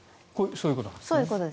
そういうことですね。